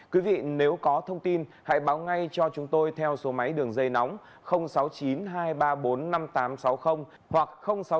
quý vị nếu có thông tin hãy báo ngay cho chúng tôi theo số máy đường dây nóng sáu mươi chín hai trăm ba mươi bốn năm nghìn tám trăm sáu mươi hoặc sáu mươi chín hai trăm ba mươi hai một nghìn sáu trăm bảy